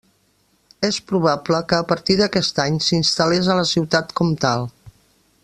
És probable que a partir d'aquest any s'instal·lés a la ciutat comtal.